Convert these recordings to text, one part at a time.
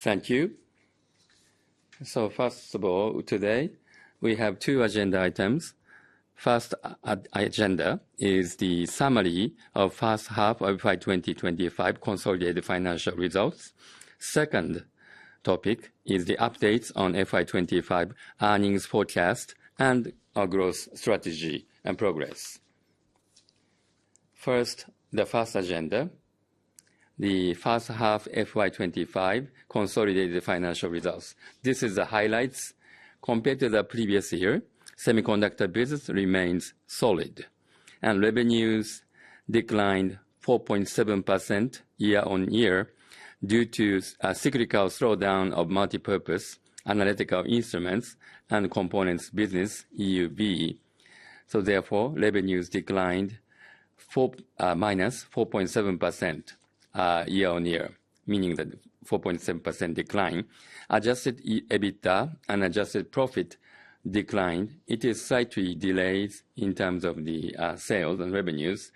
Thank you. First of all, today we have two agenda items. The first agenda is the summary of the first half of FY 2025 consolidated financial results. The second topic is the updates on FY 2025 earnings forecast and our growth strategy and progress. First, the first agenda. The first half of FY 2025 consolidated financial results. This is the highlights. Compared to the previous year, semiconductor business remains solid, and revenues declined 4.7% year on year due to a cyclical slowdown of multipurpose analytical instruments and components business EUV. Therefore, revenues declined -4.7% year-on-year, meaning that 4.7% declined. Adjusted EBITDA and adjusted profit declined. It is slightly delayed in terms of the sales and revenues.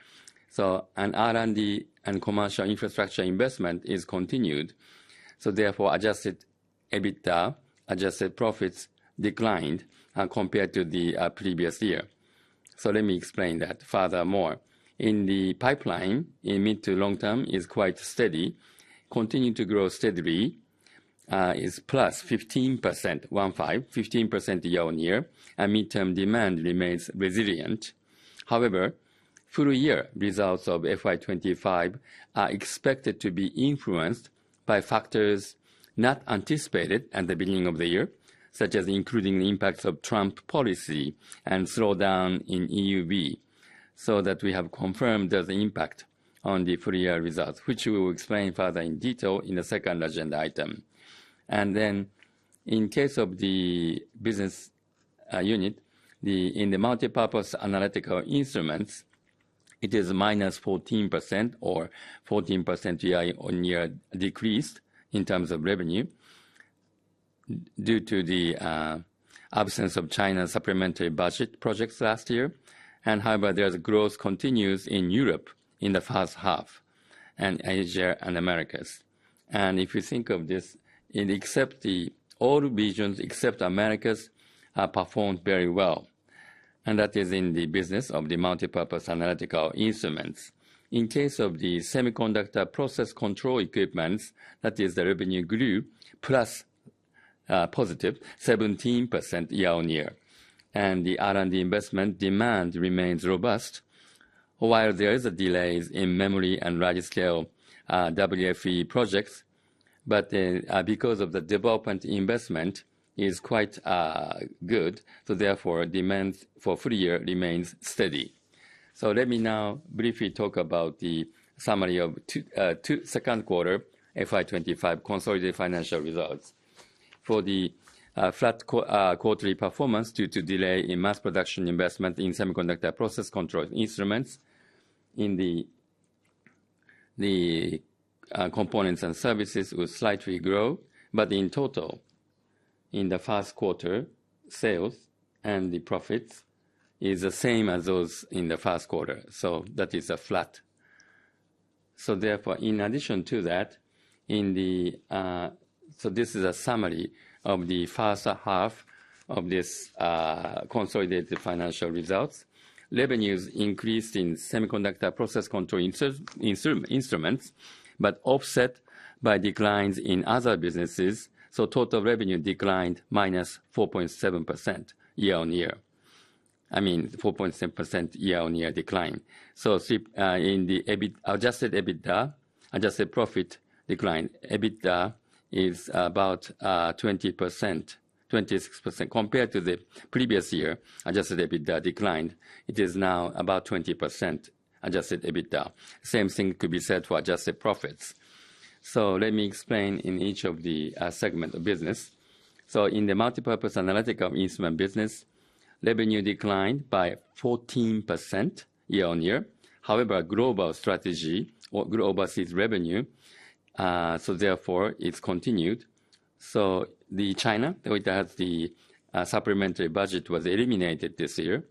R&D and commercial infrastructure investment is continued. Therefore, adjusted EBITDA, adjusted profits declined compared to the previous year. Let me explain that furthermore. In the pipeline, in mid to long term, it is quite steady, continues to grow steadily. It's +15%, 15% year-on-year, and midterm demand remains resilient. However, full year results of FY 2025 are expected to be influenced by factors not anticipated at the beginning of the year, such as including the impacts of Trump policy and slowdown in EUV. We have confirmed there is an impact on the full year results, which we will explain further in detail in the second agenda item. In case of the business unit, in the multipurpose analytical instruments, it is -14% or 14% year on year decrease in terms of revenue due to the absence of China's supplementary budget projects last year. However, there is growth continues in Europe in the first half and Asia and the Americas. If you think of this, all regions except the Americas have performed very well. That is in the business of the multipurpose analytical instruments. In case of the semiconductor process control instruments, the revenue grew +17% year on year, and the R&D investment demand remains robust. While there are delays in memory and large scale WFE projects, because of the development investment is quite good, demand for full year remains steady. Let me now briefly talk about the summary of the second quarter FY 2025 consolidated financial results. For the flat quarterly performance due to delay in mass production investment in semiconductor process control instruments, the components and services would slightly grow. In total, in the first quarter, sales and the profits are the same as those in the first quarter. That is flat. Therefore, in addition to that, this is a summary of the first half of this consolidated financial results. Revenues increased in semiconductor process control instruments, but offset by declines in other businesses. Total revenue declined -4.7% year-on-year. I mean, 4.7% year-on-year decline. In the adjusted EBITDA, adjusted profit declined. EBITDA is about 20%, 26% compared to the previous year. Adjusted EBITDA declined. It is now about 20% adjusted EBITDA. Same thing could be said for adjusted profits. Let me explain in each of the segments of business. In the multipurpose analytical instrument business, revenue declined by 14% year-on-year. However, global strategy, what global sees revenue, therefore it's continued. China, the supplementary budget was eliminated this year.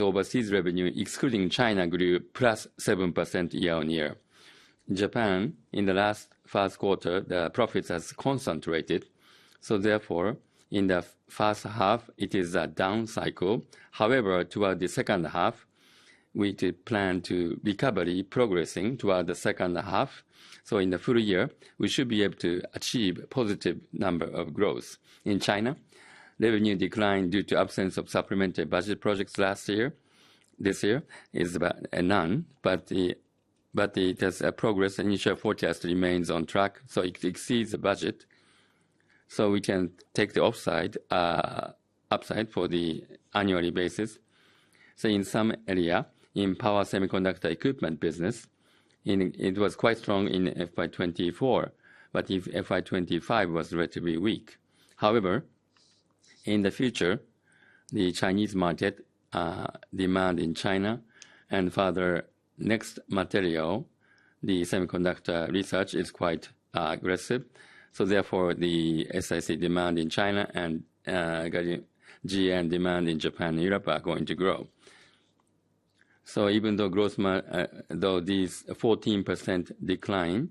Overseas revenue excluding China grew +7% year-on-year. Japan, in the last first quarter, the profits have concentrated. Therefore, in the first half, it is a down cycle. Toward the second half, we plan to recovery progressing toward the second half. In the full year, we should be able to achieve a positive number of growth. In China, revenue declined due to absence of supplementary budget projects last year. This year is about none, but it has progressed; initial forecast remains on track, so it exceeds the budget. We can take the upside for the annually basis. In some areas, in power semiconductor equipment business, it was quite strong in FY 2024, but FY 2025 was relatively weak. In the future, the Chinese market demand in China and further next material, the semiconductor research is quite aggressive. Therefore, the SSC demand in China and GN demand in Japan and Europe are going to grow. Even though growth, though these 14% decline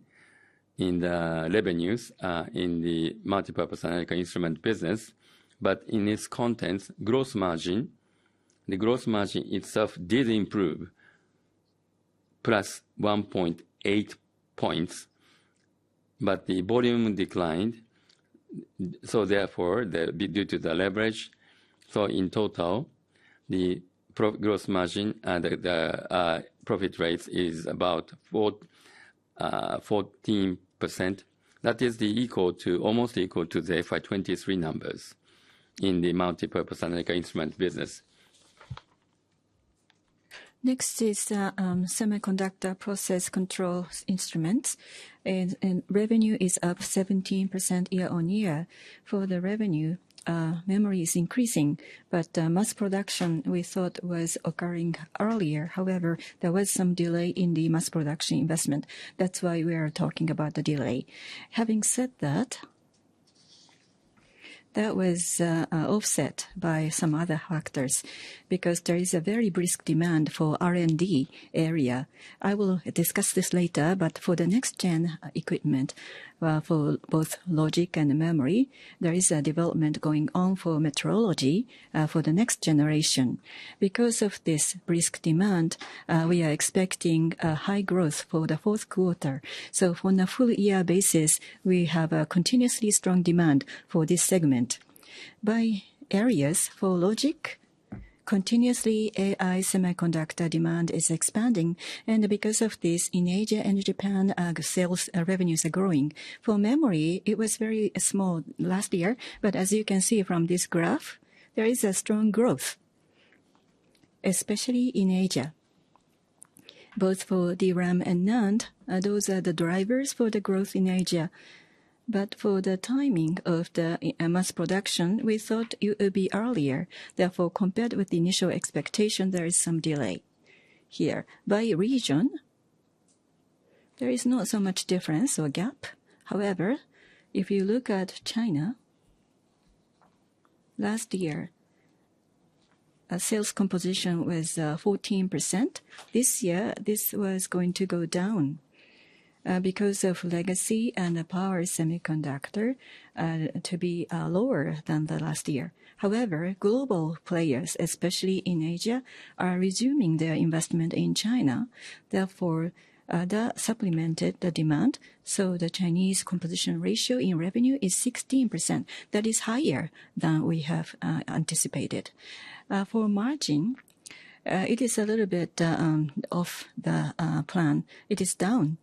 in the revenues in the multipurpose analytical instrument business, in this context, gross margin, the gross margin itself did improve +1.8 points, but the volume declined. Therefore, due to the leverage, in total, the gross margin and the profit rate is about 14%. That is equal to almost equal to the FY 2023 numbers in the multipurpose analytical instrument business. Next is semiconductor process control instruments, and revenue is up 17% year-on-year. For the revenue, memory is increasing, but mass production we thought was occurring earlier. However, there was some delay in the mass production investment. That's why we are talking about the delay. Having said that, that was offset by some other factors because there is a very brisk demand for R&D area. I will discuss this later, but for the next gen equipment for both logic and memory, there is a development going on for metrology for the next generation. Because of this brisk demand, we are expecting high growth for the fourth quarter. For the full year basis, we have a continuously strong demand for this segment. By areas for logic, continuously AI semiconductor demand is expanding, and because of this, in Asia and Japan, sales revenues are growing. For memory, it was very small last year, but as you can see from this graph, there is a strong growth, especially in Asia. Both for DRAM and NAND, those are the drivers for the growth in Asia, but for the timing of the mass production, we thought it would be earlier. Therefore, compared with the initial expectation, there is some delay here. By region, there is not so much difference or gap. However, if you look at China, last year, sales composition was 14%. This year, this was going to go down because of legacy and the power semiconductor to be lower than the last year. However, global players, especially in Asia, are resuming their investment in China. Therefore, that supplemented the demand. The Chinese composition ratio in revenue is 16%. That is higher than we have anticipated. For margin, it is a little bit off the plan. It is down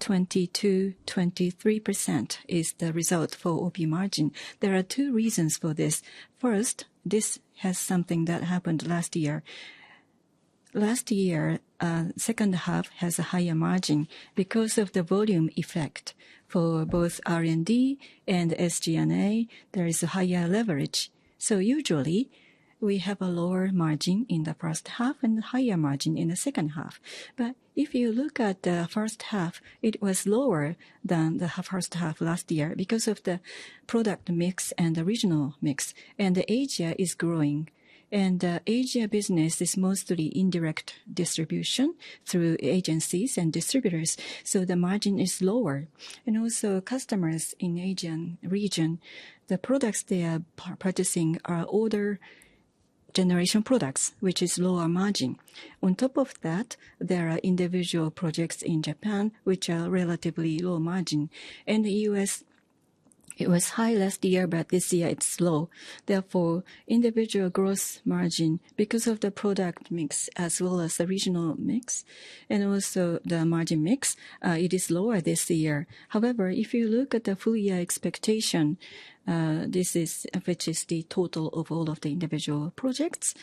22%, 23% is the result for OP margin. There are two reasons for this. First, this has something that happened last year. Last year, the second half has a higher margin because of the volume effect. For both R&D and SG&A, there is a higher leverage. Usually, we have a lower margin in the first half and a higher margin in the second half. If you look at the first half, it was lower than the first half last year because of the product mix and the regional mix. Asia is growing, and Asia business is mostly indirect distribution through agencies and distributors, so the margin is lower. Also, customers in the Asian region, the products they are purchasing are older generation products, which is lower margin. On top of that, there are individual projects in Japan, which are relatively low margin. In the U.S., it was high last year, but this year it's low. Therefore, individual gross margin because of the product mix as well as the regional mix and also the margin mix, it is lower this year. However, if you look at the full year expectation, this is the total of all of the individual projects.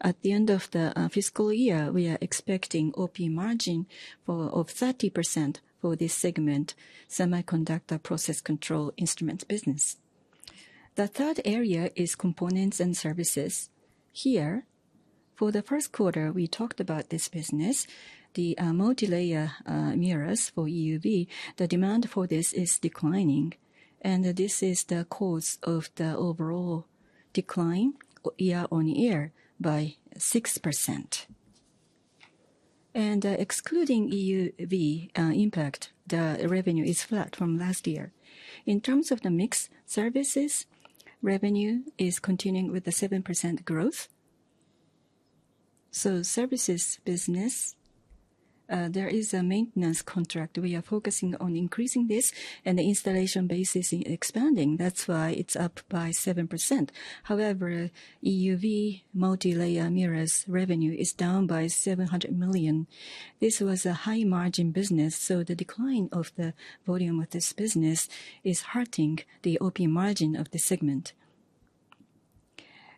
At the end of the fiscal year, we are expecting OP margin of 30% for this segment, semiconductor process control instruments business. The third area is components and services. Here, for the first quarter, we talked about this business, the multilayer mirrors for EUV. The demand for this is declining, and this is the cause of the overall decline year on year by 6%. Excluding EUV impact, the revenue is flat from last year. In terms of the mix services, revenue is continuing with the 7% growth. Services business, there is a maintenance contract. We are focusing on increasing this, and the installation base is expanding. That's why it's up by 7%. However, EUV multilayer mirrors revenue is down by 700 million. This was a high margin business, so the decline of the volume of this business is hurting the OP margin of the segment.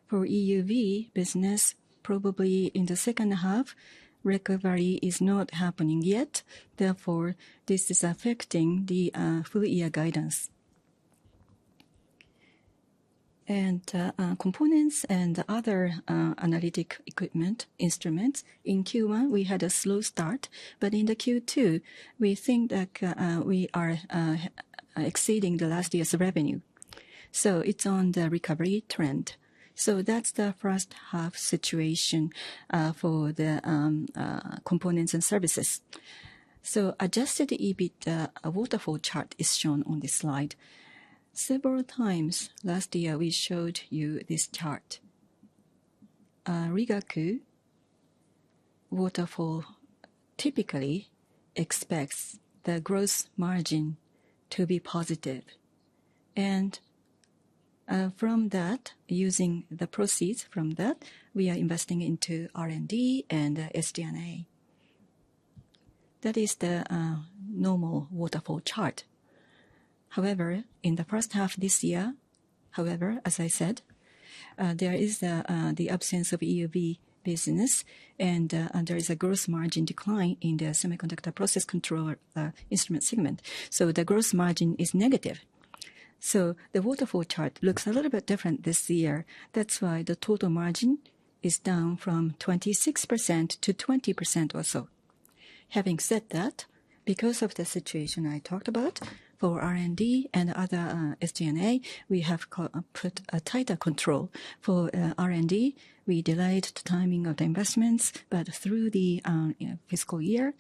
For EUV business, probably in the second half, recovery is not happening yet. Therefore, this is affecting the full year guidance. Components and other analytic equipment instruments, in Q1 we had a slow start, but in Q2 we think that we are exceeding last year's revenue. It's on the recovery trend. That's the first half situation for the components and services. Adjusted EBITDA waterfall chart is shown on this slide. Several times last year we showed you this chart. Rigaku waterfall typically expects the gross margin to be positive. From that, using the proceeds from that, we are investing into R&D and SG&A. That is the normal waterfall chart. However, in the first half this year, as I said, there is the absence of EUV business, and there is a gross margin decline in the semiconductor process control instruments segment. The gross margin is negative. The waterfall chart looks a little bit different this year. That's why the total margin is down from 26% to 20% or so. Having said that, because of the situation I talked about for R&D and other SG&A, we have put a tighter control for R&D. We delayed the timing of the investments, but through the fiscal year,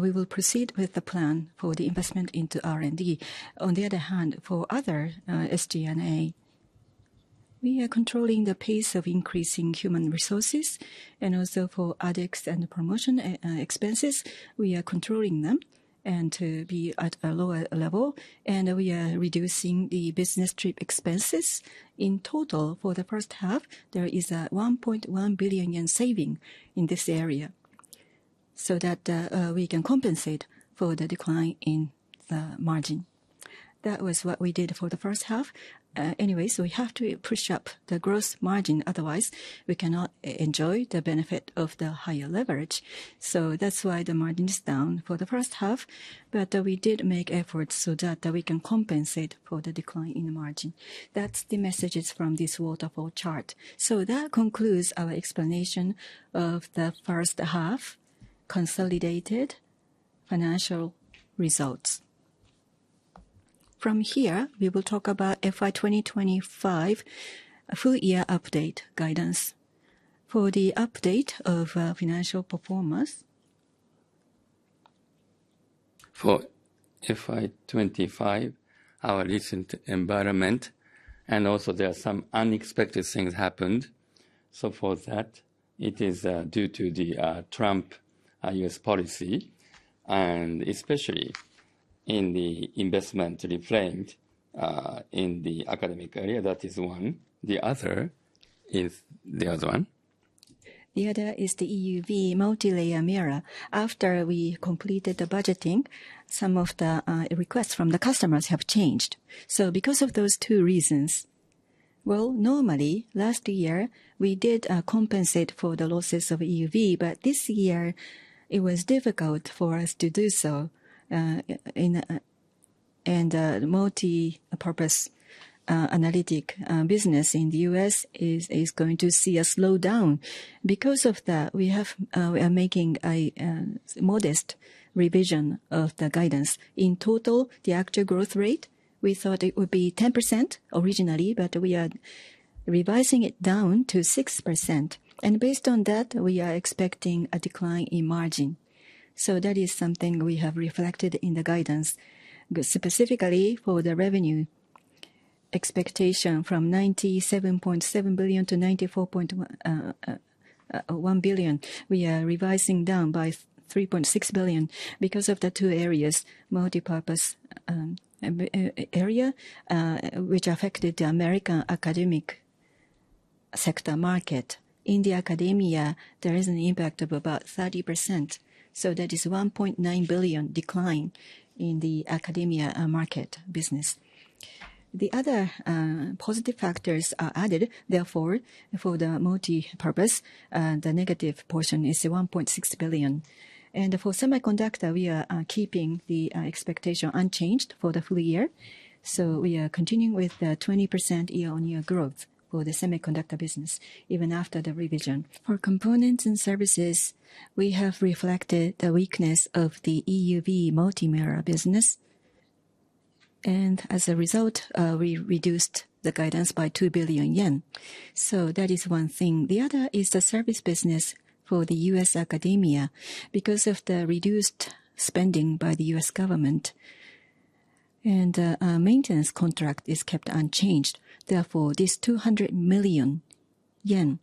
we will proceed with the plan for the investment into R&D. On the other hand, for other SG&A, we are controlling the pace of increasing human resources, and also for advertising and promotion expenses, we are controlling them and be at a lower level, and we are reducing the business trip expenses. In total, for the first half, there is a 1.1 billion yen saving in this area. That way, we can compensate for the decline in the margin. That was what we did for the first half. Anyways, we have to push up the gross margin; otherwise, we cannot enjoy the benefit of the higher leverage. That's why the margin is down for the first half, but we did make efforts so that we can compensate for the decline in the margin. That's the messages from this waterfall chart. That concludes our explanation of the first half consolidated financial results. From here, we will talk about FY 2025 full year update guidance. For the update of financial performance. For FY 2025, our recent environment, and also there are some unexpected things happened. It is due to the Trump U.S. policy, and especially in the investment reframed in the academic area. That is one. The other is the other one. The other is the EUV multilayer mirror. After we completed the budgeting, some of the requests from the customers have changed. Because of those two reasons, normally last year we did compensate for the losses of EUV, but this year it was difficult for us to do so. The multipurpose analytical business in the U.S. is going to see a slowdown. Because of that, we are making a modest revision of the guidance. In total, the actual growth rate, we thought it would be 10% originally, but we are revising it down to 6%. Based on that, we are expecting a decline in margin. That is something we have reflected in the guidance. Specifically for the revenue expectation from 97.7 billion to 94.1 billion, we are revising down by 3.6 billion because of the two areas, multipurpose area, which affected the American academic sector market. In academia, there is an impact of about 30%. That is 1.9 billion decline in the academia market business. The other positive factors are added. Therefore, for the multipurpose, the negative portion is 1.6 billion. For semiconductor, we are keeping the expectation unchanged for the full year. We are continuing with 20% year-on-year growth for the semiconductor business, even after the revision. For components and services, we have reflected the weakness of the EUV multilayer mirror business. As a result, we reduced the guidance by 2 billion yen. That is one thing. The other is the service business for the U.S. academia. Because of the reduced spending by the U.S. government, the maintenance contract is kept unchanged. Therefore, this 200 million yen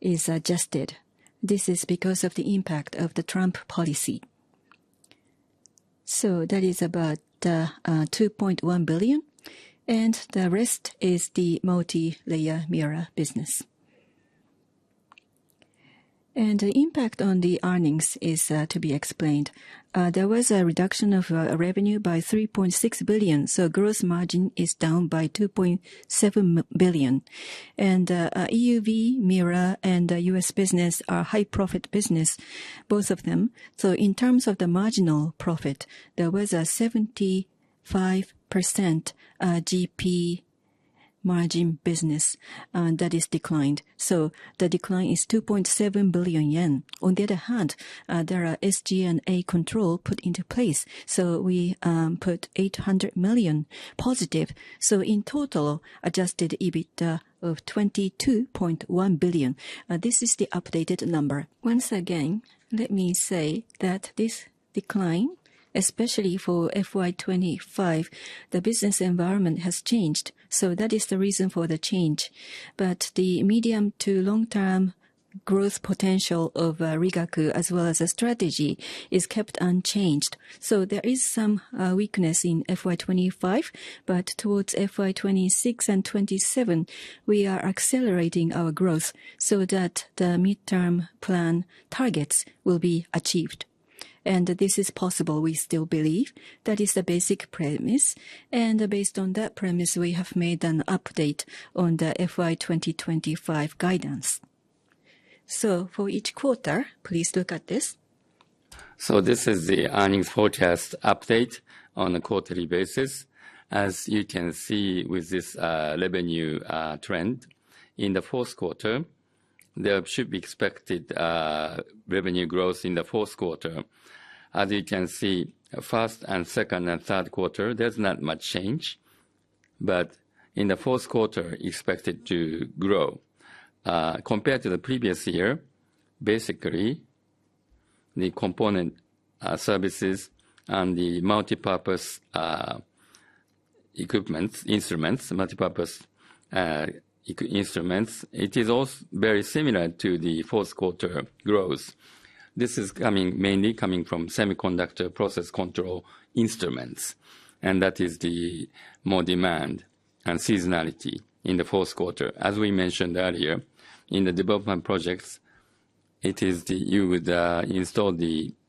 is adjusted. This is because of the impact of the Trump policy. That is about 2.1 billion. The rest is the multilayer mirror business. The impact on the earnings is to be explained. There was a reduction of revenue by 3.6 billion. Gross margin is down by 2.7 billion. EUV mirror and the U.S. business are high-profit business, both of them. In terms of the marginal profit, there was a 75% GP margin business that is declined. The decline is 2.7 billion yen. On the other hand, there are SG&A control put into place. We put 800 million positive. In total, adjusted EBITDA of 22.1 billion. This is the updated number. Once again, let me say that this decline, especially for FY 2025, the business environment has changed. That is the reason for the change. The medium to long-term growth potential of Rigaku as well as the strategy, is kept unchanged. There is some weakness in FY 2025, but towards FY 2026 and 2027, we are accelerating our growth so that the midterm plan targets will be achieved. This is possible, we still believe. That is the basic premise. Based on that premise, we have made an update on the FY 2025 guidance. For each quarter, please look at this. This is the earnings forecast update on a quarterly basis. As you can see with this revenue trend, in the fourth quarter, there should be expected revenue growth in the fourth quarter. As you can see, first and second and third quarter, there's not much change, but in the fourth quarter, expected to grow. Compared to the previous year, basically, the component services and the multipurpose equipment instruments, multipurpose instruments, it is also very similar to the fourth quarter growth. This is mainly coming from semiconductor process control instruments. That is the more demand and seasonality in the fourth quarter. As we mentioned earlier, in the development projects, you would install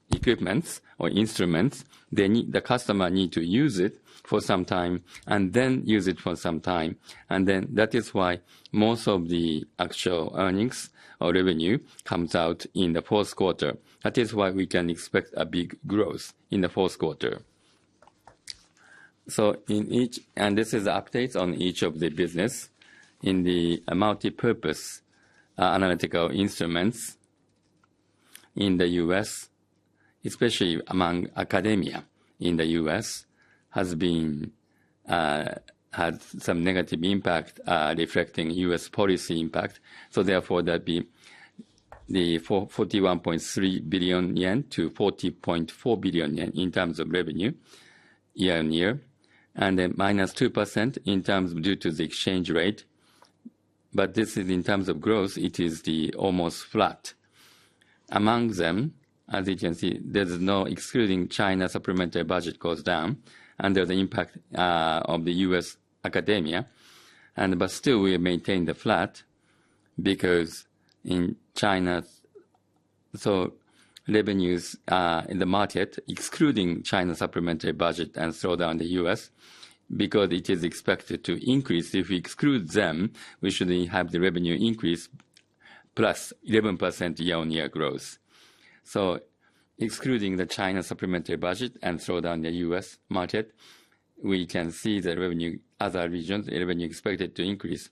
the equipment or instruments. The customer needs to use it for some time and then use it for some time. That is why most of the actual earnings or revenue comes out in the fourth quarter. That is why we can expect a big growth in the fourth quarter. In each, and this is an update on each of the businesses. In the multipurpose analytical instruments in the U.S., especially among academia in the U.S., has been had some negative impact reflecting U.S. policy impact. Therefore, that would be the 41.3 billion yen to 40.4 billion yen in terms of revenue year on year, and then -2% due to the exchange rate. This is in terms of growth, it is almost flat. Among them, as you can see, there's no excluding China supplementary budget goes down under the impact of the U.S. academia. Still, we maintain the flat because in China, so revenues in the market excluding China supplementary budget and slow down the U.S. because it is expected to increase. If we exclude them, we should have the revenue increase +11% year on year growth. Excluding the China supplementary budget and slow down the U.S. market, we can see the revenue, other regions, the revenue expected to increase.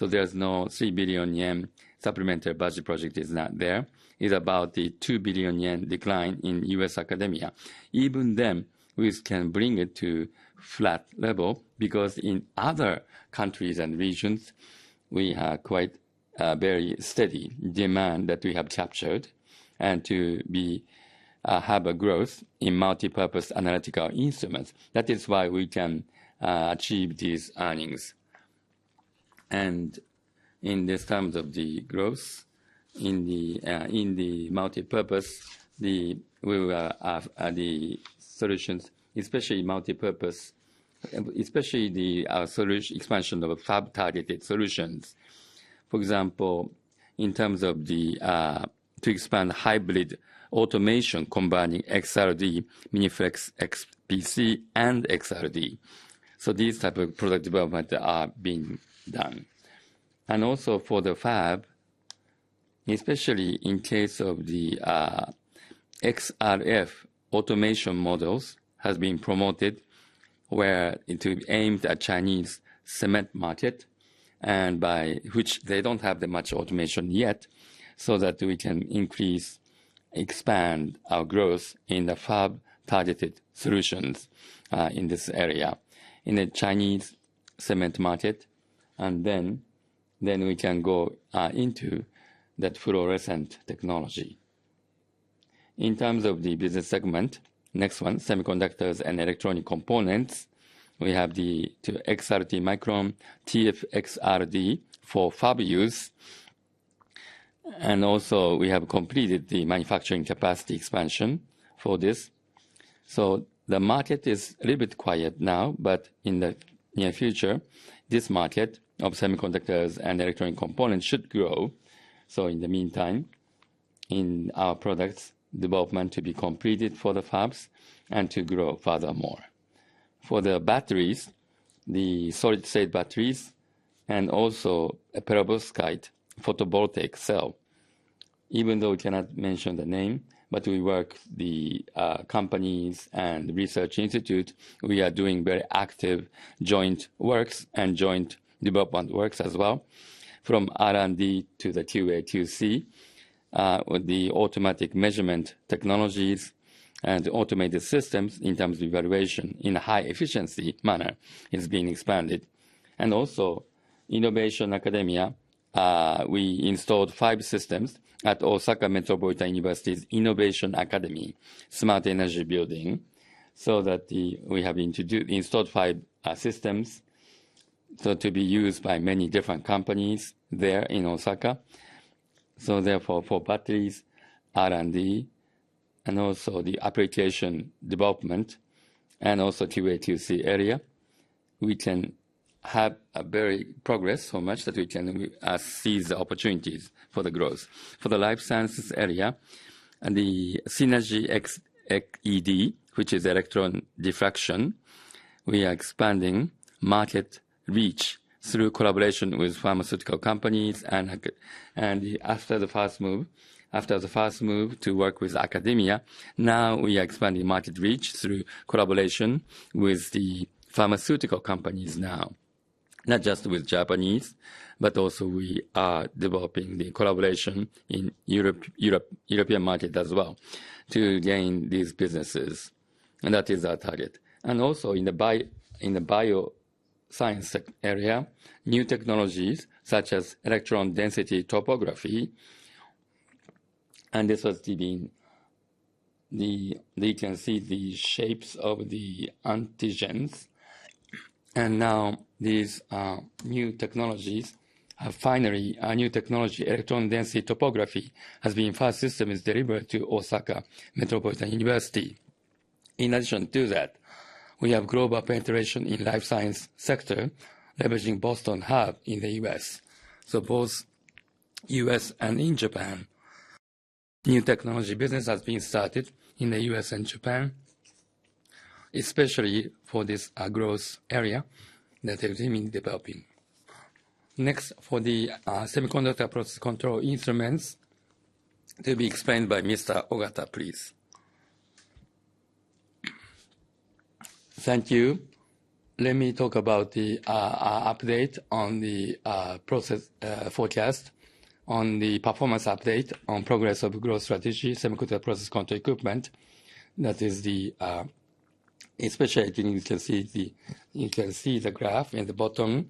There's no 3 billion yen supplementary budget project is not there. It's about the 2 billion yen decline in U.S. academia. Even then, we can bring it to a flat level because in other countries and regions, we have quite a very steady demand that we have captured and to have a growth in multipurpose analytical instruments. That is why we can achieve these earnings. In this terms of the growth in the multipurpose, the solutions, especially multipurpose, especially the solution expansion of a fab-targeted solutions. For example, in terms of the to expand hybrid automation combining XRD, MiniFlex, XPC, and XRD, these types of product development are being done. Also, for the fab, especially in case of the XRF automation models, have been promoted where it will aim the Chinese cement market, by which they don't have that much automation yet, so that we can increase, expand our growth in the fab-targeted solutions in this area, in the Chinese cement market. We can go into that fluorescent technology. In terms of the business segment, next one, semiconductors and electronic components, we have the XRD Micron, TF-XRD for fab use. We have completed the manufacturing capacity expansion for this. The market is a little bit quiet now, but in the near future, this market of semiconductors and electronic components should grow. In the meantime, in our products, development to be completed for the fabs and to grow further more. For the batteries, the solid-state batteries and also perovskite photovoltaic cell, even though we cannot mention the name, we work with the companies and research institutes. We are doing very active joint works and joint development works as well. From R&D to the QA2C, the automatic measurement technologies and the automated systems in terms of evaluation in a high-efficiency manner is being expanded. Also, innovation academia, we installed five systems at Osaka Metropolitan University's Innovation Academy Smart Energy Building, so that we have installed five systems to be used by many different companies there in Osaka. Therefore, for batteries, R&D, and also the application development and also QA2C area, we can have a very progress so much that we can see the opportunities for the growth. For the life sciences area and the Synergy XED, which is electron diffraction, we are expanding market reach through collaboration with pharmaceutical companies. After the first move to work with academia, now we are expanding market reach through collaboration with the pharmaceutical companies now. Not just with Japanese, but also we are developing the collaboration in the European market as well to gain these businesses. That is our target. Also, in the bio science area, new technologies such as electron density topography. This has been the, you can see the shapes of the antigens. Now these new technologies have finally, a new technology, electron density topography, has been first system is delivered to Osaka Metropolitan University. In addition to that, we have global penetration in the life science sector, leveraging Boston Hub in the U.S. Both U.S. and Japan, new technology business has been started in the U.S. and Japan, especially for this growth area that is really developing. Next, for the semiconductor process control instruments, to be explained by Mr. Ogata, please. Thank you. Let me talk about the update on the process forecast, on the performance update, on progress of growth strategy, semiconductor process control equipment. That is the, especially you can see the graph in the bottom.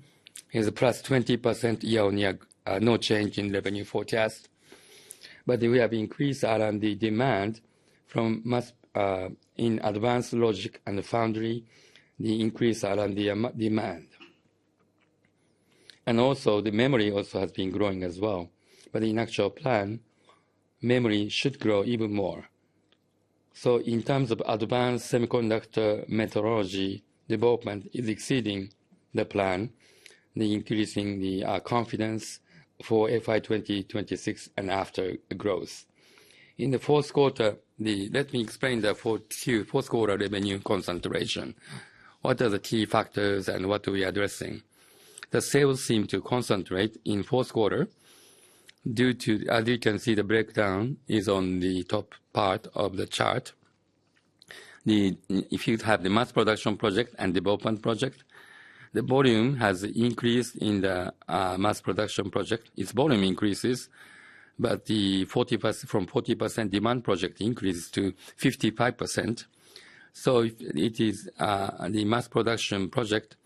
It is a +20% year on year, no change in revenue forecast. We have increased R&D demand from mass in advanced logic and foundry, the increased R&D demand. Also, the memory has been growing as well. In actual plan, memory should grow even more. In terms of advanced semiconductor methodology, development is exceeding the plan, increasing the confidence for FY 2026 and after growth. In the fourth quarter, let me explain the fourth quarter revenue concentration. What are the key factors and what are we addressing? The sales seem to concentrate in the fourth quarter due to, as you can see, the breakdown is on the top part of the chart. If you have the mass production project and development project, the volume has increased in the mass production project. Its volume increases, but the 40% from 40% demand project increases to 55%. It is the mass production project.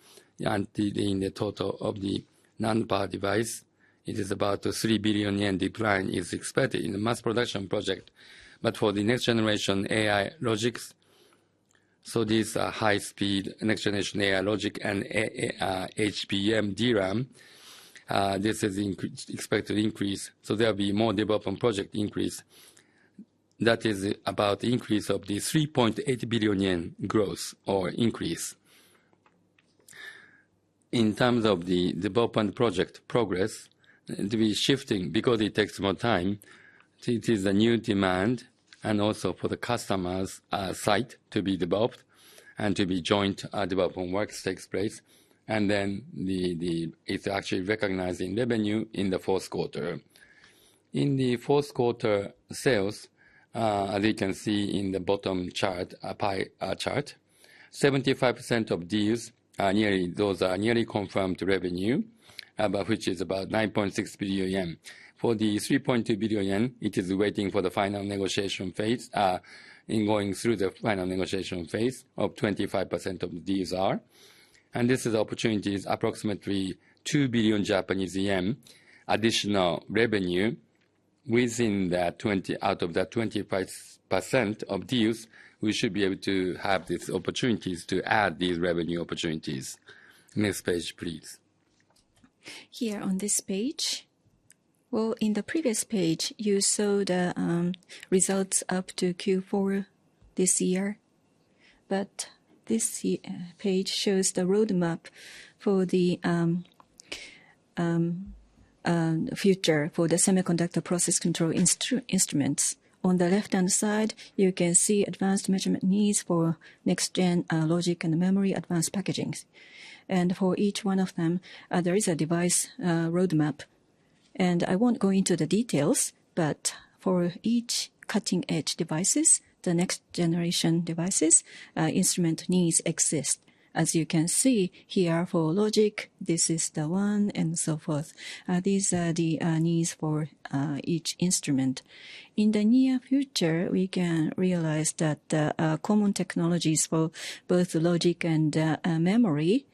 In the total of the non-power device, it is about a 3 billion yen decline is expected in the mass production project. For the next generation AI logics, these are high-speed next generation AI logic and HBM DRAM, this is expected to increase. There will be more development project increase. That is about the increase of the 3.8 billion yen growth or increase. In terms of the development project progress, it will be shifting because it takes more time. It is a new demand and also for the customers' site to be developed and to be joint development works takes place. Then it's actually recognizing revenue in the fourth quarter. In the fourth quarter sales, as you can see in the bottom chart, a pie chart, 75% of deals, those are nearly confirmed revenue, which is about 9.6 billion yen. For the 3.2 billion yen, it is waiting for the final negotiation phase, in going through the final negotiation phase 25% of the deals are. This is opportunities, approximately JPY 2 billion additional revenue within that 20% out of that 25% of deals. We should be able to have these opportunities to add these revenue opportunities. Next page, please. Here on this page. In the previous page, you saw the results up to Q4 this year. This page shows the roadmap for the future for the semiconductor process control instruments. On the left-hand side, you can see advanced measurement needs for next-gen logic and memory advanced packaging. For each one of them, there is a device roadmap. I won't go into the details, but for each cutting-edge device, the next-generation devices, instrument needs exist. As you can see here for logic, this is the one and so forth. These are the needs for each instrument. In the near future, we can realize that the common technologies for both logic and memory,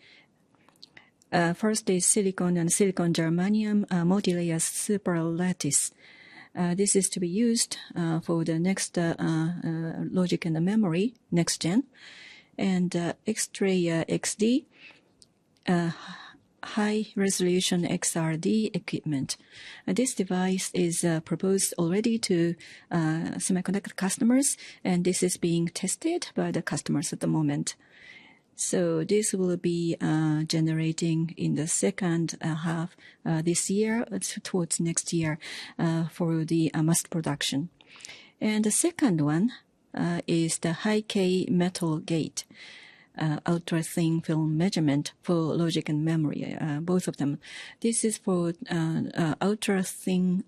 first is silicon and silicon germanium multilayer superlattice. This is to be used for the next logic and the memory, next-gen, and X-ray XD high-resolution XRD equipment. This device is proposed already to semiconductor customers, and this is being tested by the customers at the moment. This will be generating in the second half this year, towards next year, for the mass production. The second one is the high-K metal gate, ultra-thin film measurement for logic and memory, both of them. This is for ultra-thin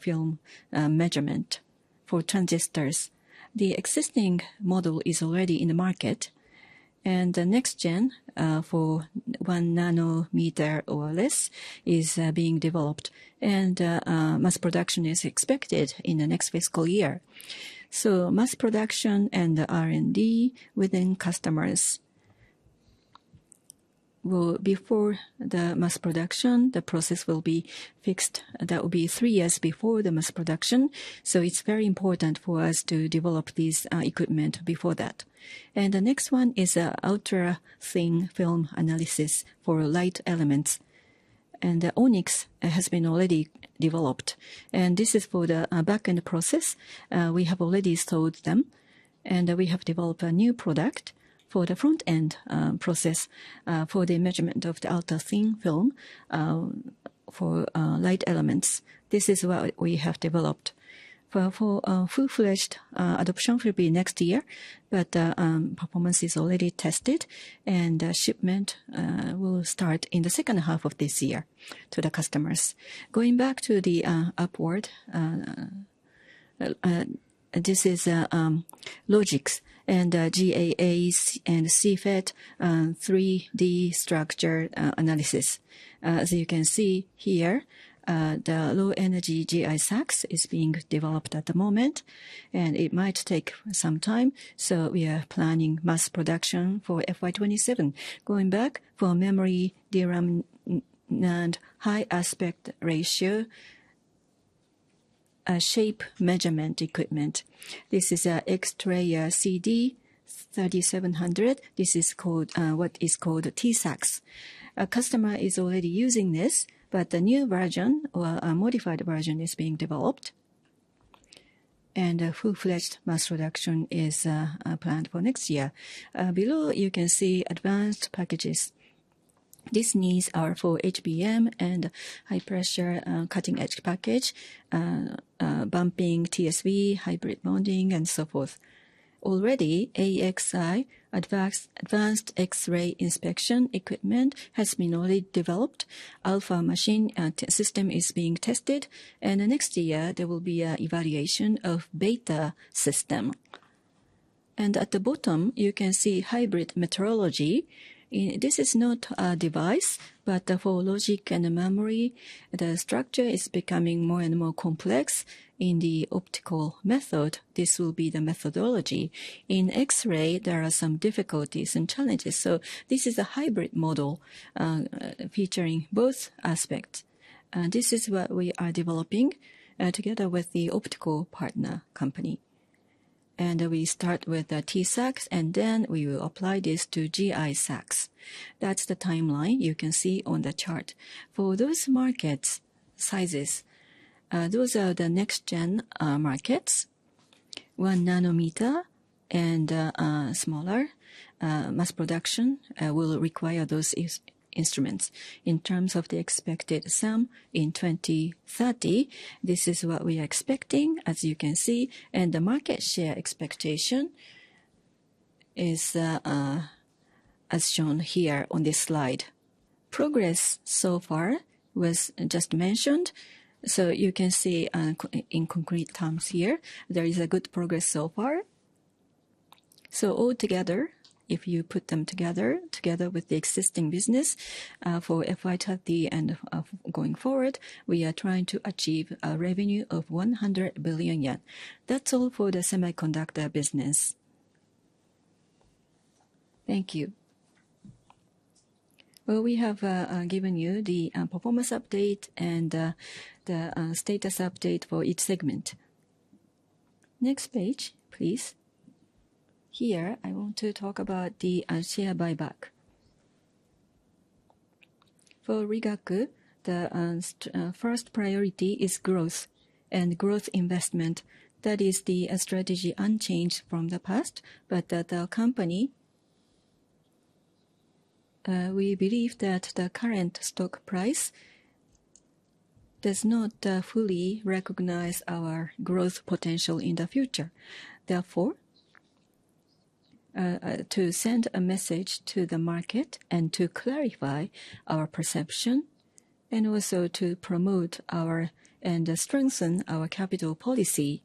film measurement for transistors. The existing model is already in the market. The next-gen for 1 nm or less is being developed, and mass production is expected in the next fiscal year. Mass production and R&D within customers. Before the mass production, the process will be fixed. That will be three years before the mass production. It's very important for us to develop these equipments before that. The next one is an ultra-thin film analysis for light elements. The Onyx has been already developed. This is for the backend process. We have already sold them. We have developed a new product for the frontend process for the measurement of the ultra-thin film for light elements. This is what we have developed. For full-fledged adoption, it will be next year, but performance is already tested, and shipment will start in the second half of this year to the customers. Going back to the upward, this is logic and GAA and CFET 3D structure analysis. As you can see here, the low-energy GI-SAXS is being developed at the moment, and it might take some time. We are planning mass production for FY 2027. Going back for memory DRAM and high aspect ratio shape measurement equipment. This is an X-ray CD3700. This is what is called T-SAXS. A customer is already using this, but the new version, a modified version, is being developed. Full-fledged mass production is planned for next year. Below, you can see advanced packaging. These needs are for HBM and high-pressure cutting-edge package, bumping TSV, hybrid bonding, and so forth. Already, AXI, advanced X-ray inspection equipment, has been already developed. Alpha machine system is being tested. Next year, there will be an evaluation of beta system. At the bottom, you can see hybrid metrology. This is not a device, but for logic and memory, the structure is becoming more and more complex in the optical method. This will be the methodology. In X-ray, there are some difficulties and challenges. This is a hybrid model featuring both aspects. This is what we are developing together with the optical partner company. We start with TSAX, and then we will apply this to GI-SAX. That's the timeline you can see on the chart. For those market sizes, those are the next-gen markets. 1 nm and smaller mass production will require those instruments. In terms of the expected sum in 2030, this is what we are expecting, as you can see. The market share expectation is as shown here on this slide. Progress so far was just mentioned. You can see in concrete terms here, there is a good progress so far. Altogether, if you put them together, together with the existing business for FY 2020 and going forward, we are trying to achieve a revenue of 100 billion yen. That's all for the semiconductor business. Thank you. We have given you the performance update and the status update for each segment. Next page, please. Here, I want to talk about the share buyback. For Rigaku the first priority is growth and growth investment. That is the strategy unchanged from the past, but the company, we believe that the current stock price does not fully recognize our growth potential in the future. Therefore, to send a message to the market and to clarify our perception and also to promote and strengthen our capital policy,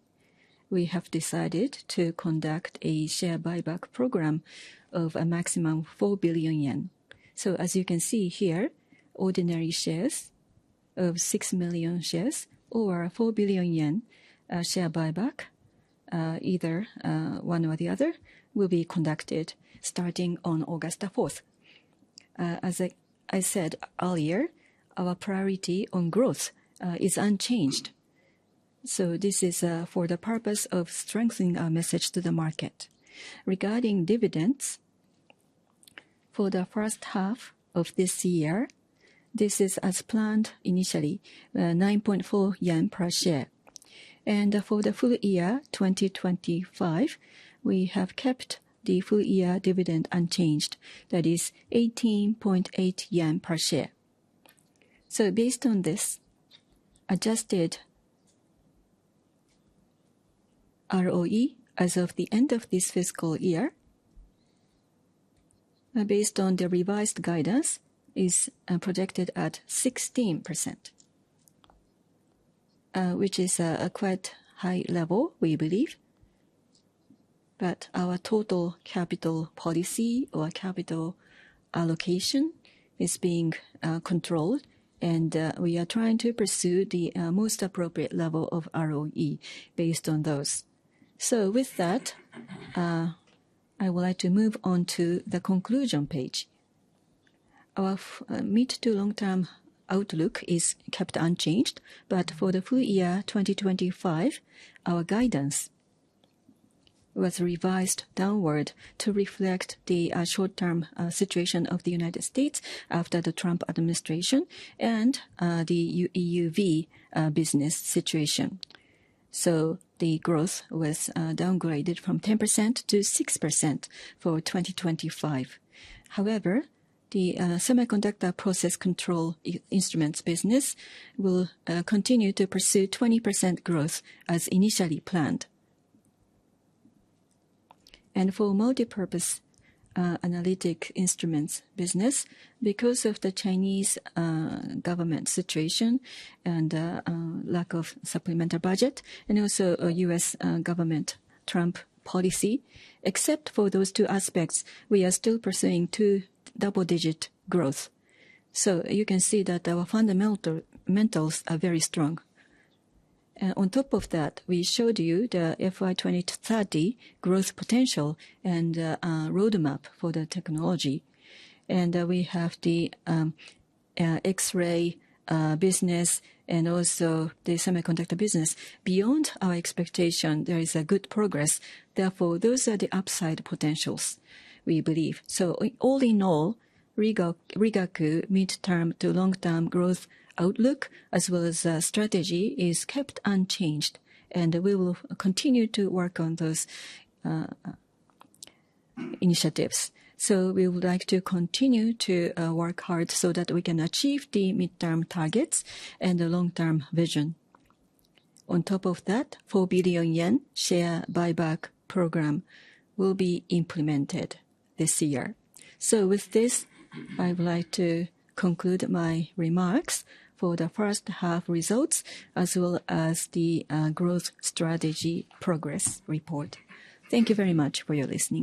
we have decided to conduct a share buyback program of a maximum 4 billion yen. As you can see here, ordinary shares of 6 million shares or 4 billion yen share buyback, either one or the other, will be conducted starting on August 4th. As I said earlier, our priority on growth is unchanged. This is for the purpose of strengthening our message to the market. Regarding dividends, for the first half of this year, this is as planned initially, 9.4 yen per share. For the full year 2025, we have kept the full year dividend unchanged. That is 18.8 yen per share. Based on this, adjusted ROE as of the end of this fiscal year, based on the revised guidance, is projected at 16%, which is a quite high level, we believe. Our total capital policy or capital allocation is being controlled, and we are trying to pursue the most appropriate level of ROE based on those. I would like to move on to the conclusion page. Our mid-to-long-term outlook is kept unchanged, but for the full year 2025, our guidance was revised downward to reflect the short-term situation of the U.S. after the Trump administration and the EUV business situation. The growth was downgraded from 10% to 6% for 2025. However, the semiconductor process control instruments business will continue to pursue 20% growth as initially planned. For multipurpose analytical instruments business, because of the Chinese government situation and lack of supplemental budget, and also a U.S. government Trump policy, except for those two aspects, we are still pursuing double-digit growth. You can see that our fundamentals are very strong. On top of that, we showed you the FY 2030 growth potential and roadmap for the technology. We have the X-ray business and also the semiconductor business. Beyond our expectation, there is a good progress. Therefore, those are the upside potentials, we believe. All in all, Rigaku mid-term to long-term growth outlook, as well as the strategy, is kept unchanged. We will continue to work on those initiatives. We would like to continue to work hard so that we can achieve the mid-term targets and the long-term vision. On top of that, 4 billion yen share buyback program will be implemented this year. With this, I would like to conclude my remarks for the first half results, as well as the growth strategy progress report. Thank you very much for your listening.